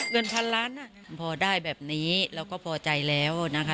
เงินพันล้านพอได้แบบนี้เราก็พอใจแล้วนะคะ